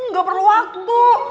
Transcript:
ngga perlu waktu